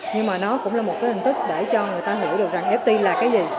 nhưng mà nó cũng là một cái hình thức để cho người ta hiểu được rằng ft là cái gì